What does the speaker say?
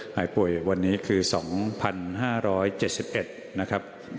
หายป่วยวันนี้คือ๒๕๗๑นะครับ